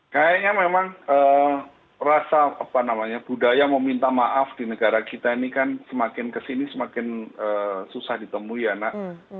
kayaknya memang rasa apa namanya budaya meminta maaf di negara kita ini kan semakin kesini semakin susah ditemui ya nak